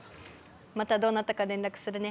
またどうなったか連絡するね。